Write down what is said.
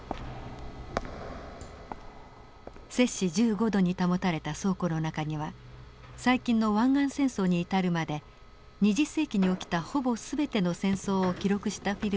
セ氏１５度に保たれた倉庫の中には最近の湾岸戦争に至るまで２０世紀に起きたほぼ全ての戦争を記録したフィルムが保存されています。